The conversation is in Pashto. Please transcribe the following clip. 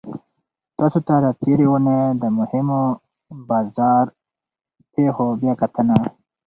تاسو ته د تیرې اونۍ د مهمو بازار پیښو بیاکتنه